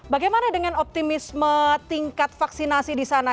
bagaimana dengan optimisme tingkat vaksinasi di sana